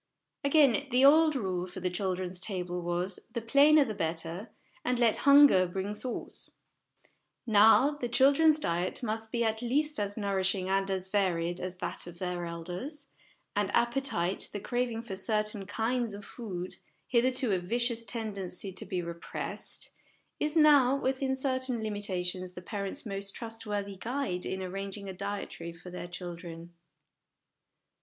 Again, the old rule for the children's table was, ' the plainer the better, and let hunger bring sauce '; now, the children's diet must be at least as nourishing and as varied as that of their elders ; and appetite, the craving for certain kinds of food, hitherto a vicious tendency to be repressed, is now within certain limita tions the parents' most trustworthy guide in arranging a dietary for their children.